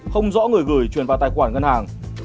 không rõ người gửi truyền vào tài khoản ngân hàng